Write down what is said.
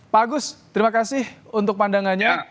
pak agus terima kasih untuk pandangannya